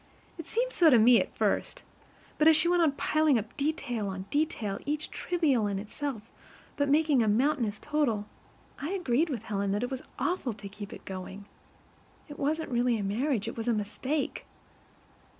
It seemed so to me at first; but as she went on piling up detail on detail each trivial in itself, but making a mountainous total, I agreed with Helen that it was awful to keep it going. It wasn't really a marriage; it was a mistake.